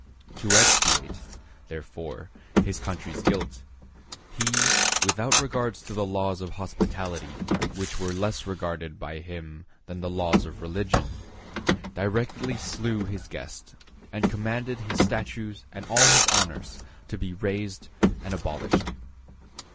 To expiate, therefore, his country's guilt, he, without regard to the laws of hospitality, which were less regarded by him than the laws of religion, directly slew his guest, and commanded his statues and all his honors to be razed and abolished.